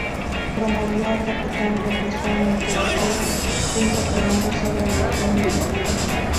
Promovido a capitán, regresó a Montevideo reincorporándose a la Legión Italiana.